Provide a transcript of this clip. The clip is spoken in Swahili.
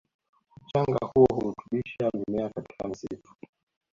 Mchanga huo hurutubisha mimea katika msitu